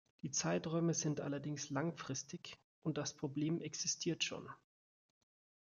Die Zeiträume sind allerdings langfristig, und das Problem existiert schon.